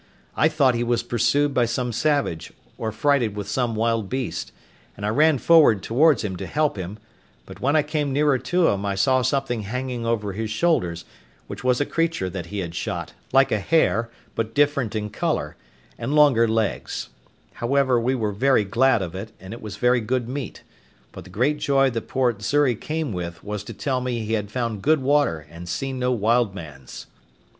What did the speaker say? I thought he was pursued by some savage, or frighted with some wild beast, and I ran forward towards him to help him; but when I came nearer to him I saw something hanging over his shoulders, which was a creature that he had shot, like a hare, but different in colour, and longer legs; however, we were very glad of it, and it was very good meat; but the great joy that poor Xury came with, was to tell me he had found good water and seen no wild mans.